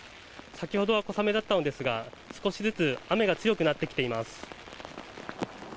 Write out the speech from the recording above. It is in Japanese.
先ほどは小雨だったのですが少しずつ雨が強くなってきています。